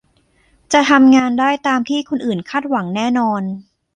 จะทำงานได้ตามที่คนอื่นคาดหวังแน่นอน